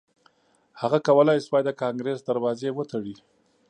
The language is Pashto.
هغه کولای شوای د کانګریس دروازې وتړي.